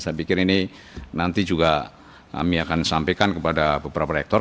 saya pikir ini nanti juga kami akan sampaikan kepada beberapa rektor